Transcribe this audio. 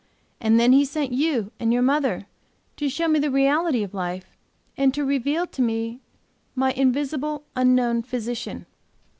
And then He sent you and your mother to show me the reality of life, and to reveal to me my invisible, unknown Physician.